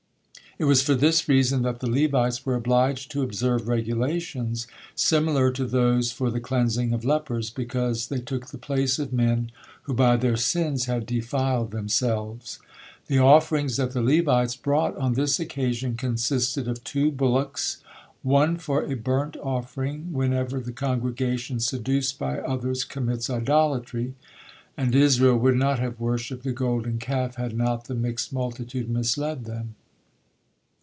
It was for this reason that the Levites were obliged to observe regulations similar to those for the cleansing of lepers, because they took the place of men who by their sins had defiled themselves. The offerings that the Levites brought on this occasion consisted of two bullocks, on for a burnt offering whenever the congregation, seduced by others, commits idolatry; and Israel would not have worshipped the Golden Calf had not the mixed multitude misled them.